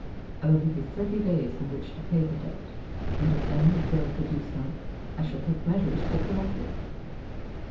I will give you thirty days in which to pay the debt; and if then you fail to do so, I shall take measures to collect it!"